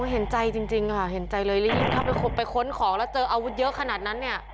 เห็นใจจริงเลยเรียกเข้าไปค้นของแล้วเจออาวุธเยอะขนาดนั้น